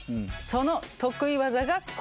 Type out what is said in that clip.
その得意技がこれ。